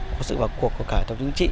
có sự vào cuộc của cả tổ chính trị